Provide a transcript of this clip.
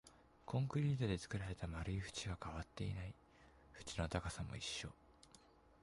コンクリートで作られた丸い縁は変わっていない、縁の高さも一緒